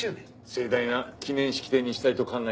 盛大な記念式典にしたいと考えております。